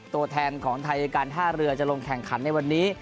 ตัวแทนของไทยการท่าเรือจะลงแข่งขันในวันนี้